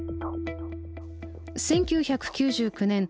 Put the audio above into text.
１９９９年